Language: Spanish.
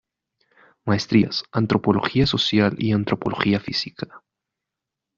Maestrías; Antropología social y Antropología Física.